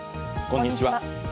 こんにちは。